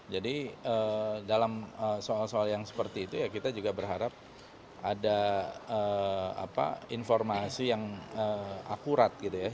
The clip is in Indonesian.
jadi dalam soal soal yang seperti itu ya kita juga berharap ada informasi yang akurat gitu ya